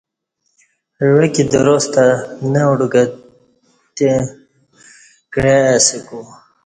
عوہ کی دراس تں نہ اڑگی تں کعیے اسہ کو